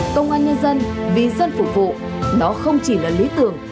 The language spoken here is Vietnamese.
công an nhân dân vì dân phục vụ đó không chỉ là lý tưởng